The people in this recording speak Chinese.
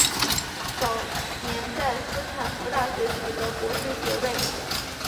早年在斯坦福大学取得博士学位。